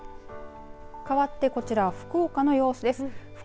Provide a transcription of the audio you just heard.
かわってこちらは福岡の様子です。